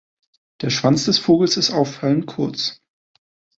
Der Schwanz des Vogels ist auffallend kurz.